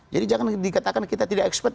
jadi jangan dikatakan kita tidak ekspet